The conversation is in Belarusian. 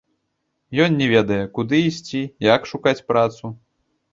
Ён не ведае, куды ісці, як шукаць працу.